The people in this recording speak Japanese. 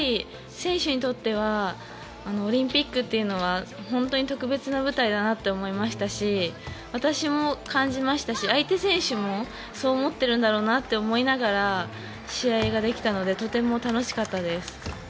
選手にとってはオリンピックというのは本当に特別な舞台だなと思いましたし私も感じましたし、相手選手もそう思ってるんだろうなと思いながら試合ができたのでとても楽しかったです。